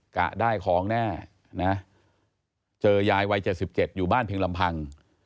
กะได้ของแน่นะเจอยายวัยเจ็ดสิบเจ็ดอยู่บ้านเพียงลำพัง